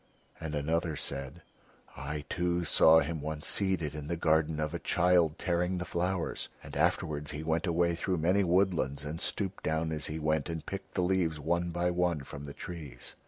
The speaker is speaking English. And another said: "I too saw him once seated in the garden of a child tearing the flowers, and afterwards he went away through many woodlands and stooped down as he went, and picked the leaves one by one from the trees."